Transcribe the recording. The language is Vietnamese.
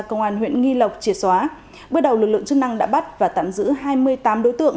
công an huyện nghi lộc triệt xóa bước đầu lực lượng chức năng đã bắt và tạm giữ hai mươi tám đối tượng